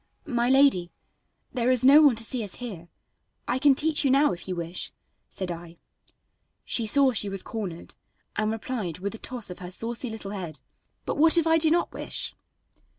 "My lady, there is no one to see us here; I can teach you now, if you wish," said I. She saw she was cornered, and replied, with a toss of her saucy little head: "But what if I do not wish?"